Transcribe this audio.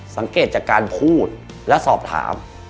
สังเกตจากการพูดและสอบถาม